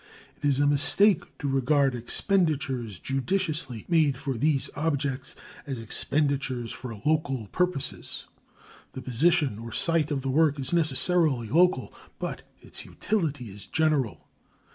It is a mistake to regard expenditures judiciously made for these objects as expenditures for local purposes. The position or sight of the work is necessarily local, but its utility is general.